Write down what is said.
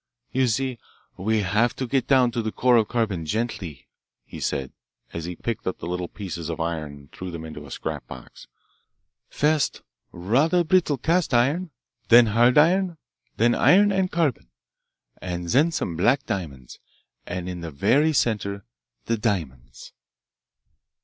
"You see, we have to get down to the core of carbon gently," he said, as he picked up the little pieces of iron and threw them into a scrap box. "First rather brittle cast iron, then hard iron, then iron and carbon, then some black diamonds, and in the very centre the diamonds.